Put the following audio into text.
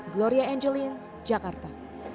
gloria angelin jakarta